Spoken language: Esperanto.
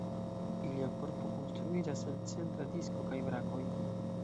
Ilia korpo konstruiĝas el centra disko kaj brakoj.